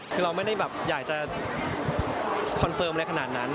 คือเราไม่ได้แบบอยากจะคอนเฟิร์มอะไรขนาดนั้น